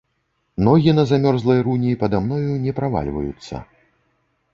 Ногі на замёрзлай руні пада мною не правальваюцца.